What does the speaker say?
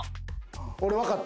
俺、分かった！